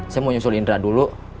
saya mau nyusul indra dulu